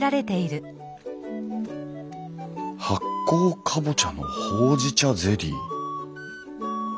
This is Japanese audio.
「発酵カボチャのほうじ茶ゼリー」？